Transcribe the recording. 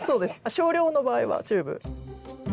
少量の場合はチューブ。